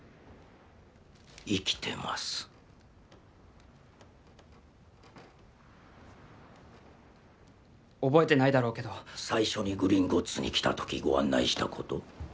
生きてます覚えてないだろうけど最初にグリンゴッツにきた時ご案内したこと